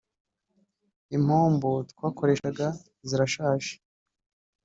Impombo twakoreshaga zirashaje